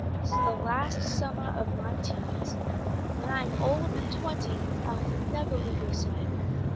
This is the last summah of my teens. When I am old and twenty I'll nevah leave yoah side.